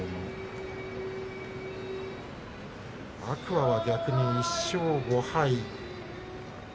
天空海は逆に１勝５敗。